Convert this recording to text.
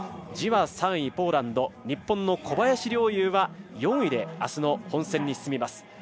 ジワ、３位ポーランド日本の小林陵侑は４位であすの本戦に進みます。